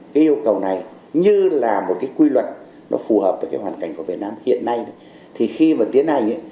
cái yêu cầu này như là một cái quy luật nó phù hợp với cái hoàn cảnh của việt nam hiện nay thì khi mà tiến hành